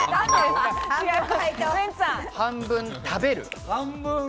半分食べる。